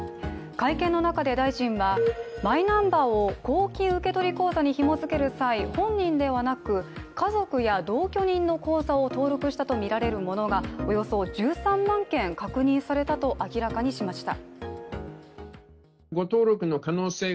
会見の中で大臣は、マイナンバーを公金受取口座にひも付ける際、本人ではなく家族や同居人の口座を登録したとみられるものがおよそ１３万件確認されたと明らかにしました。